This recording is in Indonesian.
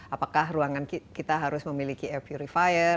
apakah ruangan kita harus memiliki air purifier